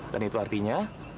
dan itu artinya